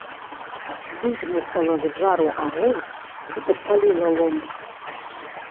Выдзьмухала з жару агонь і падпаліла лом.